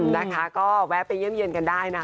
ดีขก็แวะไปเยี่ยมเยี่ยงกันได้นะ